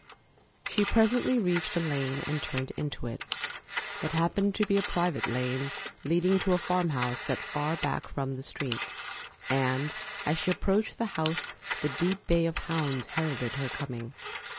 She presently reached a lane and turned into it. It happened to be a private lane leading to a farm house set far back from the street, and as she approached the house the deep bay of hounds heralded her coming.